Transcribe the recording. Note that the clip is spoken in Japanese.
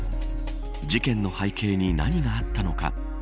事件の背景に何があったのか。